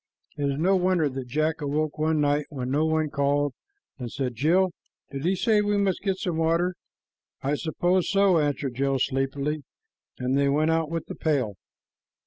It is no wonder that Jack awoke one night when no one called and said, "Jill, did he say we must get some water?" "I suppose so," answered Jill sleepily, and they went out with the pail.